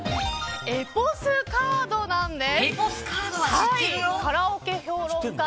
エポスカードなんです。